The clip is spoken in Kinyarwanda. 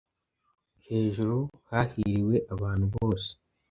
Hejuru hahiriwe abantu bose,